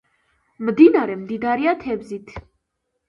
მდინარე მდიდარია თევზით.